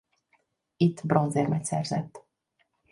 Itt bronzérmet szerzett.